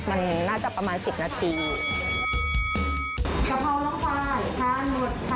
กะเพราล้องพลายทานหมดภายใน๑๐นาทีทานจีนนะคะ